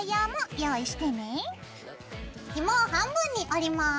ひもを半分に折ります。